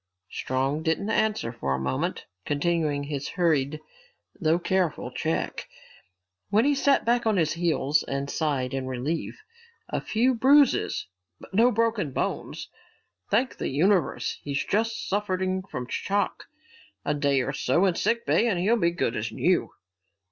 Strong didn't answer for a moment, continuing his hurried, though careful check. Then he sat back on his heels and sighed in relief. "A few bruises but no broken bones, thank the universe. He's just suffering from shock. A day or so in sick bay and he'll be good as new."